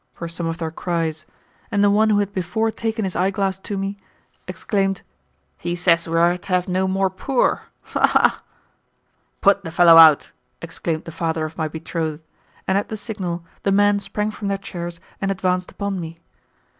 were some of their cries, and the one who had before taken his eyeglass to me exclaimed, "He says we are to have no more poor. Ha! ha!" "Put the fellow out!" exclaimed the father of my betrothed, and at the signal the men sprang from their chairs and advanced upon me.